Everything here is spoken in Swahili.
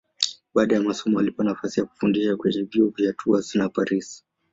Baada ya masomo alipewa nafasi ya kufundisha kwenye vyuo vya Tours na Paris.